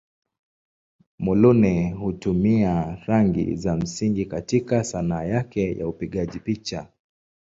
Muluneh hutumia rangi za msingi katika Sanaa yake ya upigaji picha.